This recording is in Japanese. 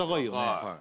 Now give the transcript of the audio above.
はい